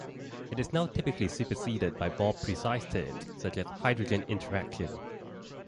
It is now typically superseded by more precise terms such as hydrogen interaction.